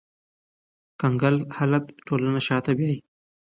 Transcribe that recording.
کنګل حالت ټولنه شاته بیایي